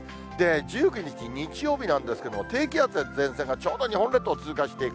１９日日曜日なんですけれども、低気圧や前線がちょうど日本列島を通過していく。